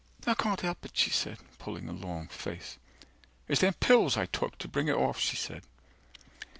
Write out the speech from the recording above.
I can't help it, she said, pulling a long face, It's them pills I took, to bring it off, she said.